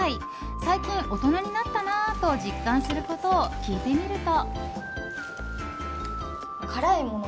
最近、大人になったなあと実感することを聞いてみると。